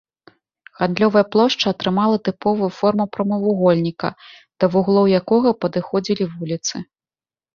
Гандлёвая плошча атрымала тыповую форму прамавугольніка, да вуглоў якога падыходзілі вуліцы.